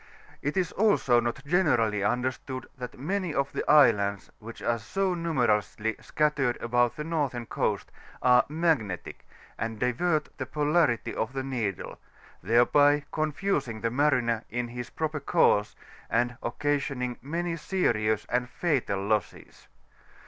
It is also not generally understood, that many of the islands, which are so numerously scattered about tibte nortJiem coast, are magnetic, and divert the polarity of the needle ; thereby confusingthe mariner in his proper course, and occasioning many serious and fatal losses.